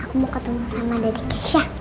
aku mau ketemu sama daddy kesia